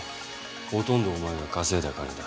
ほとんどお前が稼いだ金だ。